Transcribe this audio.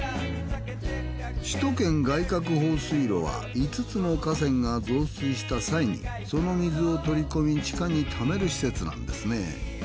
首都圏外郭放水路は５つの河川が増水した際にその水を取り込み地下に溜める施設なんですね。